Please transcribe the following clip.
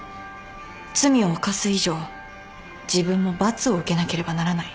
罪を犯す以上自分も罰を受けなければならない。